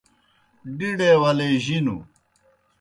ڈِڈے ولے جِنوْ